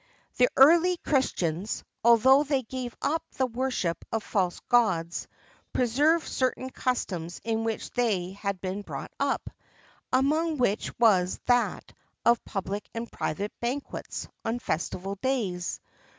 [XXIV 34] The early Christians, although they gave up the worship of false gods, preserved certain customs in which they had been brought up, among which was that of public and private banquets on festival days.